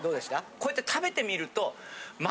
こうやって食べてみると。